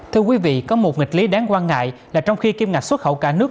thưa quý vị có một nghịch lý đáng quan ngại là trong khi kim ngạch xuất khẩu cả nước